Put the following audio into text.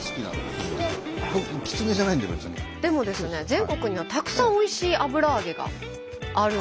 全国にはたくさんおいしい油揚げがある。